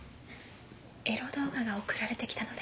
エロ動画が送られて来たので。